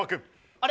あれ？